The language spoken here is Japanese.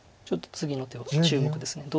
ちょっと次の手は注目です。